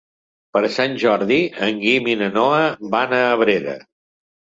Per Sant Jordi en Guim i na Noa van a Abrera.